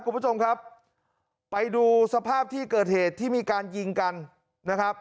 คุณผู้ชมครับไปดูสภาพที่เกิดเหตุที่มีการยิงกันนะครับ